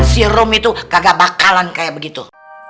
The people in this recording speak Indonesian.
si rum itu kagak bakalan kaya begitu